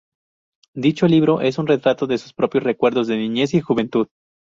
Dicho libro es un retrato de sus propios recuerdos de niñez y juventud.